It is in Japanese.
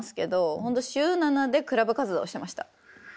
ほんと週７でクラブ活動してました。